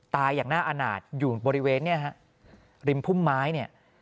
ตายอย่างหน้าอาหนาดอยู่บริเวณริมพุ่มไม้